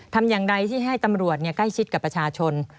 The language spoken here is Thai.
ทำอย่างไรที่ให้ตำรวจใกล้ชิดกับประชาชน